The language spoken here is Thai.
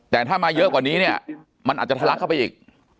แต่ถ้ามาเยอะกว่านี้เนี่ยมันอาจจะทะลักเข้าไปอีก